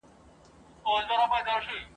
تر بام لاندي یې مخلوق تر نظر تېر کړ !.